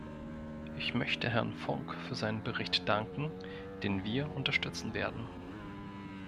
Ich möchte Herrn Funk für seinen Bericht danken, den wir unterstützen werden.